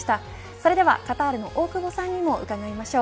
それではカタールの大久保さんにも伺いましょう。